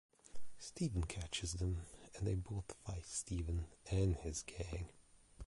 Stephen catches them and they both fight Stephen and his gang.